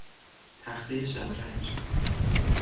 تختهی شطرنج